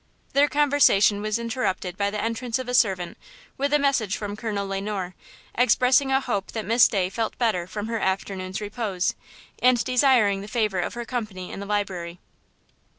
Their conversation was interrupted by the entrance of a servant with a message from Colonel Le Noir, expressing a hope that Miss Day felt better from her afternoon's repose, and desiring the favor of her company in the library.